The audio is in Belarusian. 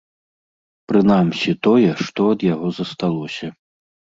Прынамсі, тое, што ад яго засталося.